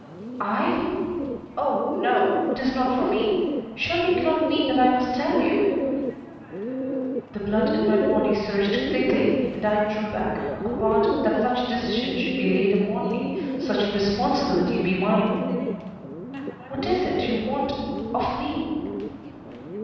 "I? Oh no! It is not for me. Surely you cannot mean that I must tell you " The blood in my body surged thickly, and I drew back, appalled that such decision should be laid upon me, such responsibility be mine. "What is it you want of me?"